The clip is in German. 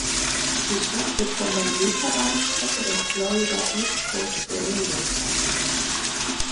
Die Stadt wird von der Güterbahnstrecke der Florida East Coast Railway passiert.